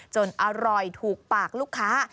อร่อยถูกปากลูกค้า